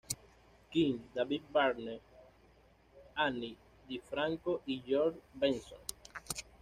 King, David Byrne, Ani DiFranco y George Benson.